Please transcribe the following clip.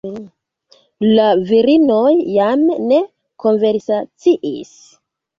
La virinoj jam ne konversaciis.